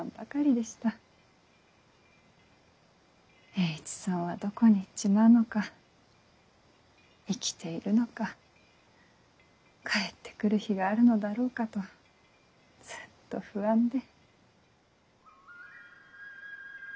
栄一さんはどこに行っちまうのか生きているのか帰ってくる日があるのだろうかとずっと不安で。